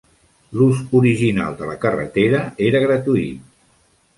L'ús original de la carretera era gratuït.